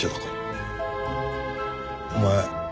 お前